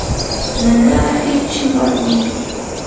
nanaa hiqchi warmim.